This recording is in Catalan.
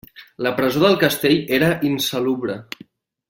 La presó del castell era insalubre.